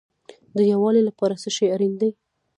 د یووالي لپاره څه شی اړین دی؟